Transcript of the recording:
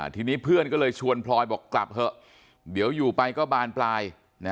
ทีนี้เพื่อนก็เลยชวนพลอยบอกกลับเถอะเดี๋ยวอยู่ไปก็บานปลาย